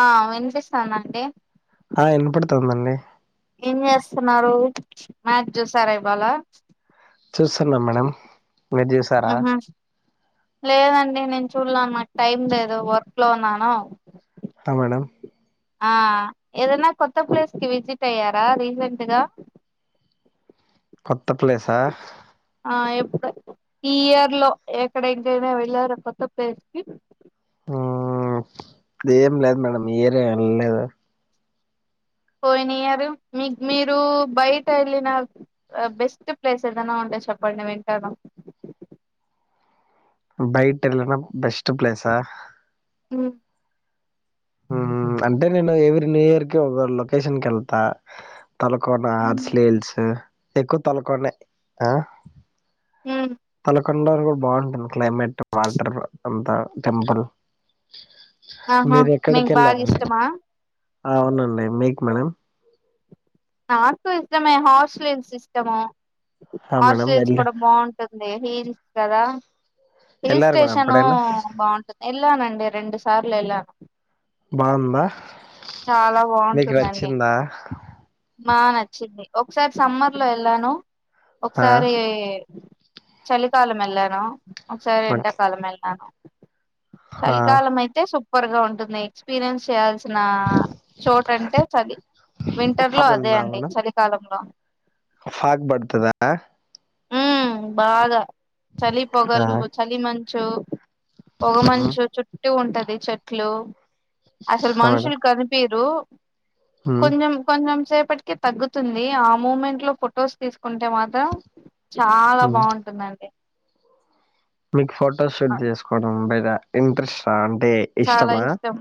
ఆ వినిపిస్తాన అండి ఆ ఎనపడుతుందండి ఏం చేస్తున్నారు మ్యాచ్ చూసారా ఇవ్వాలా చూసాన్నా మేడం మీరు చూసారా ఆ లేదండి నేను చూడలేను మాకు టైమ్ లేదు వర్క్ లో ఉన్నాను ఆ మేడం ఆ ఏదన్నా కొత్త ప్లేస్ కి విజిట్ అయ్యారా రీసెంట్గా తప్లేసా ఈ ఇయర్ లో ఎక్కడ ఇంకైనా వెళ్ళారో కొత్త ప్లేస్ కి ఇదం లేదు మేడం ఏర వెలేదు పోయినయర్ మీ మీరు బయట వెళ్ళిన బెస్ట్ ప్లేస్ ఏదనా ఉంటే చెప్పండి వింటను బైట ఎలనా బస్ట్ ప్లేసా ఉమ్ అంటే నేను ఎవీ న్యూ ఇయర్ కి ఒకరు లొకేషన్ క వెళ్తా తలకోన్న హార్స్లైహిల్స్ ఎక్కువ తకోనే ఆ హ కండర కూడా బాగుంటుంది క్లైమేట్ వాటర్ అంతా టెంపుల్ ఆహా మీరు ఎక్కడికి మీకు బాగా వెళ్ళారండి ఇష్టమా ఆ అవునండి మీకు మేడం నాకు ఇష్టమే హార్సీహిల్స్ ఇష్టము ఆ మేడం హోర్షిల్స్ వెళ్ళ కూడా బాగుంటుంది హి కదా హిల్ వెళ్ళారు మేడం స్టేషను ఎప్పుడైనా బాగుంటుంది ఎలనండి రెడు సార్లు ఎలానూ బాగుందా చాలా మీకు బాగుంటుందండి నచ్చిందా బా నచ్చింది ఒకసారి సమ్మర్ లో వెళ్ళాను ఆ ఒకసారి చలికాలం వేళను ఒక సారి ఓకే ఎండాకాలం వెళ్ళను ఆ చలికాలం అయితే సు సూపర్ గా ఉంటుంది ఎక్స్పీరియన్స్ చేయాల్సింది నా చోటు అంటే చలి వింటర్ లో అదే అండి చలికాలంలో ఫాక్ బడతదా మ్మ్ బాగా చలి ఆ పోగలు చలి మంచి చూ పొగ మ్మ్ మంచు చటు ఉంటది చెట్లు అసలు ఆ మేడం మనుషులు కనిపి రు మ్మ్ కొంచెం కొంచెం సే ఇప్పటికే తగ్గుతుంది ఆ మూమెంట్ లో ఫొటోస్ తీసుకుంటే మాత్రం చాలా బాగుంటుందండి మీ ఫ ఆ, ఫోటోషూట్ చేసుకోవడం బే ఇంద్రశాంత చాలా ఇష్టం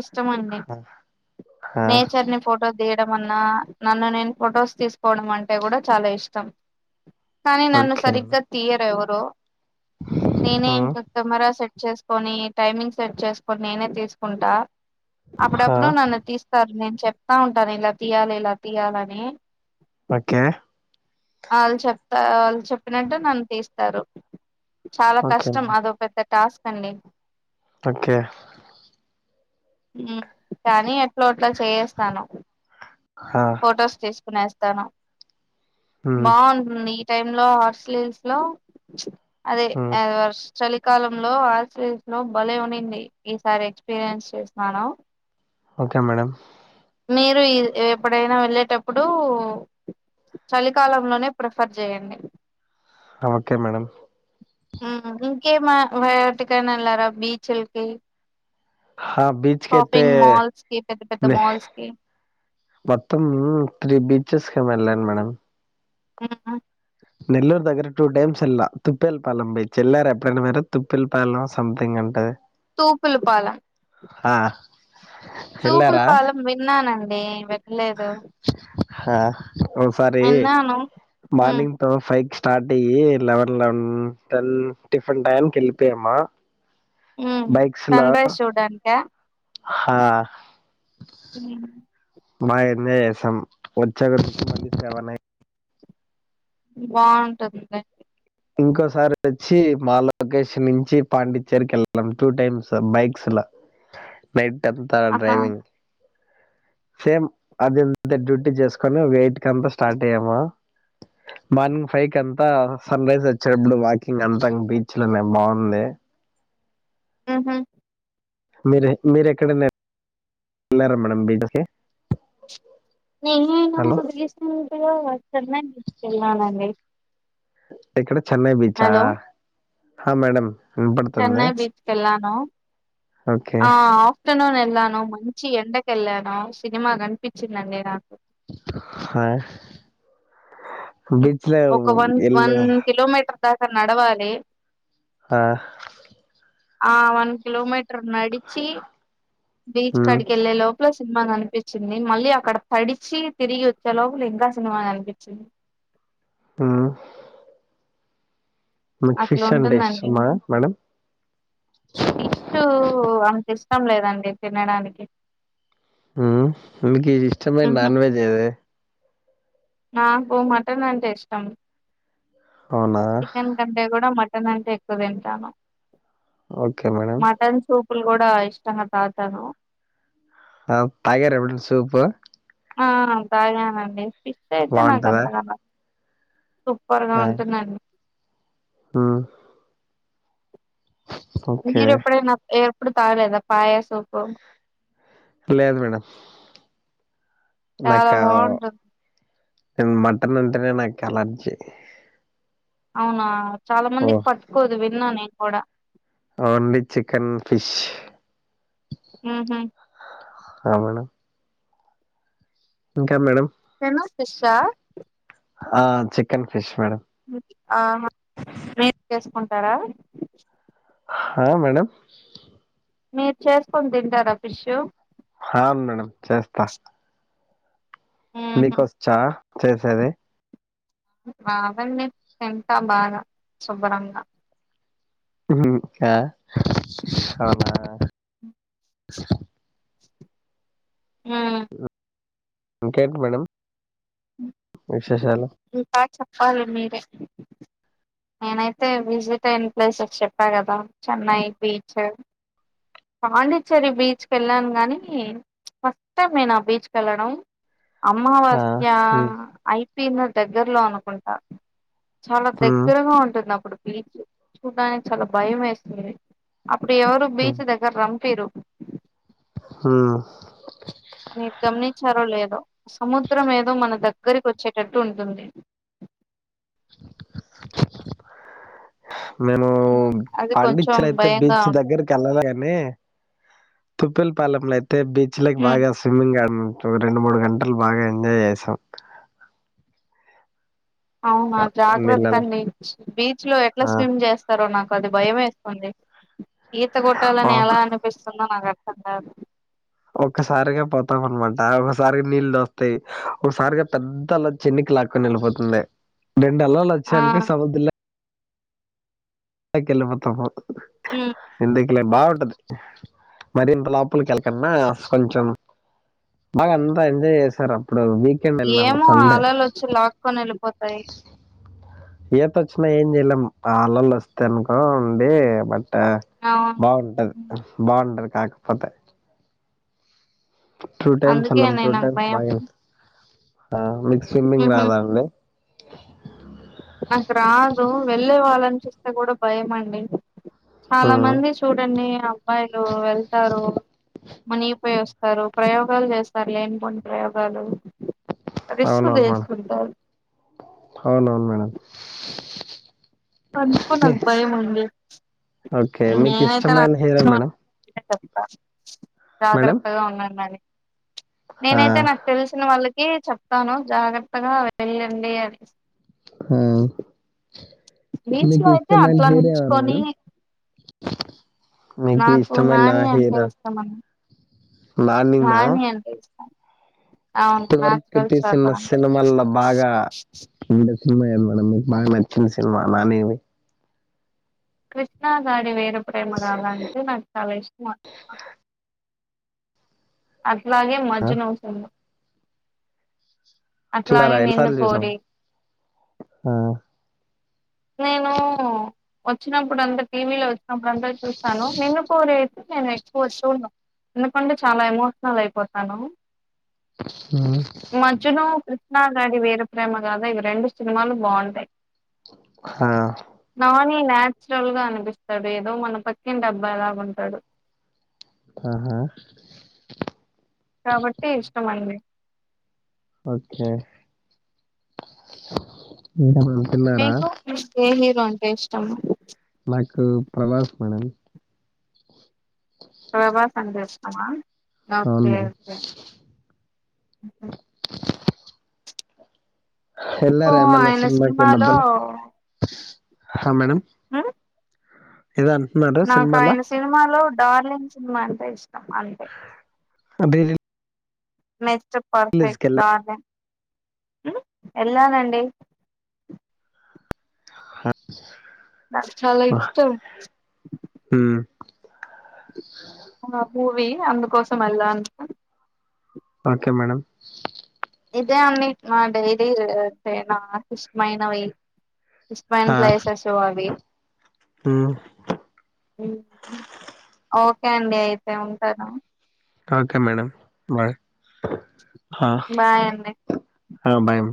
ఇష్టమ అండి ఆ నేచర్ ని ఫోటో తీ మన్నా నన్ను నేను ఫొటోస్ తీసుకోవడం అంటే కూడా చాలా ఇష్టం కానీ నన్ను ఓకే మేడం సరిగ్గా తీయరవ ఓ మ్మ్ న నరా స చేసుకొని టైమింగ్ సట్ చే కొన్ని నేనే తీసుకుంటా ఆ అప్పుడప్పుడు నన్ను తీస్తారు నేను చెప్తా ఉంటాను ఇలా తీయాలి ఇలా తీయాలని ఓకే వాళ్ళు చెప్తా వాళ్ళు చెప్పినట్టు నన్ను తీస్తారు చాలా ఓకే కష్టం మేడం అదో పెద్ద టాస్క్ సండే ఓకే కానీ ఎట్లా అట్లా చేయస్తాను ఆ ఫొటోస్ తీసుకునేస్ తన మ్మ్ బా [unintelligible] టైమ్ లో హార్స్లీ హిల్స్ లో అదే మ్మ్ చలికాలంలో హార్స్ హిల్స్ లో బలే ఉనింది ఈసారి ఎక్స్పీరియన్స్ చేస్తున్నాను ఓకే మేడం మీరు ఎప్పుడైనా వెళ్ళేటప్పుడు చలికాలంలోనే ప్రిఫర్ చేయండి ఓకే మేడం ఇంకేమీ వాటికైనా వెళ్ళారా బీచ్లకి ఆ బీచ్కైతే షాపింగ్ మాల్స్ కి పెద్ద పెద్ద మాల్స్ కి మత్తం త్రిబి వచ్చేస్క వెళ్లను మేడం ఆ నెల్లూరు దగ్గర two times Ella తుప్పల్ Palem by చెల్లారు ఎప్పుడైనా వేరు తుప్పల్ పాలెం సోమ్ థింగ్ ఉంటది కూకులు పాల ఆ తూపుల్ వెళ్ళారా పాలం విన్నానండి నే పెట్టలేదు ఆ ఓ సారీ హ్మ్. మార్నింగ్ తో ఫైవ్ స్టార్ట్ అయ్యి లెవెన్ లెవెన్ టెన్ టిఫిన్ టైయానికి వెళ్ళిపోయామా హు బైక్స్ లో సన్ రైస్ చూడడానికా హా హు మా ఎంజాయ్ చేశాం ఇక సెవెన్ సెవెన్ నైన్ బాగుంటందండి ఇంకోసారి వచ్చి మా లొకేషన్ నుంచి పాండిచ్చేరికి వెళ్ళాం టూ టైమ్స్ బైక్స్ లో నైట్ పెద్ద ఆహా డ్రైవింగ్ సేమ్ అదింత డ్యూటీ చేసుకొని వెయిట్ కంతా స్టార్ట్ అయ్యామా మార్నింగ్ ఫైవ్ కి అంతా సన్ రైజర్ వచ్చేటప్పుడు వాకింగ్ అంతాంగా బీచ్ లోనే బాగుంది ఆహా మీరే మీరు ఎక్కడైనా వెళ్ళారా మేడం బయటకి నేను రీసెంట్ గా చెన్నై బీచ్ కు వెళ్ళానండి ఎక్కడ చెన్నై బీచ్ ఆ హలో హ మేడమ్ చెన్నై బీచ్ కు వెళ్ళాను ఓకే ఆ ఆఫ్టర్నూన్ వెళ్ళాను మళ్లీ చి ఎండ కెళ్ళాను సినిమా కనిపించిందండి నాకు ఆ బీచ్ లో ఒక వన్ వన్ ఎల్లు కిలోమీటర్ అందాక నడవాలి ఆ ఆ వన్ కిలోమీటర్ నడిచి బీచ్ ఉమ్, కాడికి వెళ్ళే లోపు ఇప్పుడె సినిమా కనిపించింది మళ్ళీ అక్కడ తడిచి తిరిగి వచ్చేలోపల ఇంకా సినిమా కనిపించింది హు అట్లుంటుందండి ఇష్టమా మేడం ఫిష్ ఉ అంత ఇ ఇష్టం లేదండి తినడానికి ఉ మీకి ఇష్టమైన ఉహు నాన్వెజ్ ఏది నాకు మటన్ అంటే ఇష్టం అవునా చికెన్ కంటే కూడా మట్ మటన్ అంటే ఎక్కువ తింటాను ఓకే మేడం ఇప్పుడు కూడా ఇష్టంగా తాగుతాను ఆ తాగార ఎప్పుడన్న సూపు ఆ తాగినానండి ఫిక్స్ అయితే నాకు బాగుంటుందా అంతగన సూపర్గా ఉంటుందండి హ్మ్ మీరు ఎప్పుడైన ఎ ఎప్పుడు తాగలేద పాయ సూప్ లేదు మేడం చాలా బాగుంటుంది నేన్ మటన్ అంటనె నాకు అలర్జి అవునా చాల మందికి పట్కోదు తిన్నా నేను కూడ ఓన్లీ చికెన్ ఫిష్ హ్మ్ హు హ మేడం ఇంక మేడం చికెను ఫిష్ ఆ ఆ చికెన్ ఫిష్ మేడం ఆహా మీరు చేసుకుంటారా హా మేడం మీరు చేసుకొని తింటారా ఫిషు హ మేడం చేస్తా మీకు ఉహు వచ్చా సరే సరే రావండి తింటా బాగా శుభ్రంగా అవునా హ్మ్ ఇంకేంటి మేడం అ విశేషాలు చెప్పాలి మీరే నేనైతే విజిట్ అయిన ప్లేసెస్ చెప్పాను కదా చెన్నై బీచ్ పాండిచ్చేరి బీచ్ వెళ్ళాను కానీ ఫస్ట్ టైం నేను ఆ బీచ్కి వెళ్ళడం ఆ, అమావాస్య ఉమ్, ఐ పిన్న దగ్గర్లో అనుకుంటా చాలా దే ఉమ్, ఉంటుంది అప్పుడు బీచ్ చూడడానికి చాలా భయం వేస్తుంది ఇప్పుడు ఎవరు బీచ్ దగ్గర రాంపిరు హ్మ్మ్ మీరు గమనించారో లేదో సముద్రం ఏదో మన దగ్గరికి వచ్చేటట్టు ఉంటుంది నేను హ్మ్. అది కొంచెం పండితులయితే భయంగా బీచ్ ఉంటుంది. దగ్గరికి వెళ్ళాల మే తుప్పల్ పాలంలే తె బీచ్ లోకి హ్మ్ బాగాస్ స్విమింగ్ గార్డన్ రెండు మూడు గంటలు బాగా ఎంజాయ్ చేసాం అవునా ఆ, జాగ్రత్త నీళ్ళలో అండి బీచ్ లో ఎట్లా ఆ, స్విమ్ చేస్తారో నాకు కొద్ది భయంమేస్తుంది ఈత ఆ, కొట్టాలని ఎలా అనిపిస్తుందో నాకు [unintelligible] ఒక్కసారిగా పోతాం అనమాట ఒకసారిగా నీళ్ళు దోస్తాయి ఒకసారిగా పెద్దల చెన్నికి లాక్కొని వెళ్ళిపోతుంది. రెండు అలలు ఆ వచ్చాయనుకో సవదల్ పైకి ఎల్లిపోతాం ఉమ్ అలే బాగుంటది మరింత లోపలకి వెళ్ళకన్నా కొంచెం బాగా అంతా ఎంజాయ్ చేశారు. వీకెండ్ వెళ్ళాము ఏమో సండే అలలు వచ్చి లాక్కకొని వెళ్ళిపోతాయి ఈత వచ్చినా ఏం చెయలేం అలలు వస్తాయి అనుకో ఉండి ఆ అవును బాగుంటది హ్మ్. బాగుంటారు కాక పోతే టూ టైమ్స్ ఎల్లినం అందుకేనే టూ నాకు టైమ్స్ భయం. బాగా ఆ మీకు స్విమ్మింగ్ ఉహు రాదా అండి నీళ్ళు చూస్తే కూడా భయం అండి చాలా ఉమ్, మంది చూడండి అబ్మాాయిలు వెళ్తారు మునిగిపోయి వస్తారు ప్రయోగాలు చేస్తారు లేనిపోని ప్రయోగాలు రిస్క్ అవునవును మేడం చేసుకుంటారు అవునవును మ్యామ్ అందుకే నాకు భయం అండి ఓకే మీకు ఇష్టమైన హీరో తెలిసిన మేడం [unintelligible] మేడం జాగ్రత్తగా ఉండండి మరి ఆ, నేనైతే నాకు తెలిసిన వాళ్ళకి ఏ చెప్తాను జాగ్రత్తగా వెళ్ళండి అనేసి హ బీచ్ మీకు లో అయితే ఇష్టమైన అట్లా హీరో ఎవరు నిల్చుకొని మేడమ్ నాకు నాని అంటే ఇష్టమని నాని నా అవును ఇప్పటి వరకు నాచురల్ స్టార్ తీసిన నాని సినిమాల్లో బాగా సినిమా యందుంది మేడం మీకు బాగా నచ్చిన సినిమా నాని వీ కృష్ణా గాడి వీర ప్రేమగాధ అంటే నాక్ చాలా ఇస్టమ్ అే అలాగే ఆ మజ్ను సినిమా చూసారా అట్లాగే ఎన్ని నిన్ను సార్లు చూసినావ్ కోరి నేను వచ్చినప్పుడు అంత టీవీలో [unintelligible] చూస్తాను నిన్ను కోరి నేను ఎక్స్పొజ్ చూడ్ను ఎందుకంటే చాలా ఎమోషనల్ అయిపోతాను ఆ కృష్ణగాడి వీరప్రేమగధ ఇవి రెండు సినిమాలు బాగుంటాయి హా నాని నాచురల్ గా అనిపిస్తాడు ఏదో మన పక్కింటి అబ్బాయి లాగా ఉంటాడు ఆహా కాబట్టి ఇష్టమండి ఓకే [unintelligible] మీకు మీ కేం [unintelligible] అంటే ఇష్టం నాకు ప్రభాస్ మేడం ఆ హా [unintelligible] ఆ అవును ఓకే మేడం ఓకే అప్పు వెళ్ళారా ఏమన్నా ఆయన సినిమలో హా మేడమ్ ఆ సినిమాలో నాకాయన సినిమాలో డార్లింగ్ సినిమా అంటే ఇష్టం అంతె అదే మె స్టర్ పర్ఫెక్ట్ డార్లింగ్ హ్మ్ ఎల్లానండి హార్స్ నాక్ చాలా ఇష్టం ఆ మూవి అందుకోసం వెల్లా ఓకే మేడం ఇదే అండి మా డైరీ నాకు ఇష్టమైనవి ఇష్టమైన్ ప్లేసెస్ అవి హ్మ్ ఓకే అండి అయితే ఉంటానూ ఓకే మేడం బాయ్ హా బాయ్ అండి అ భయం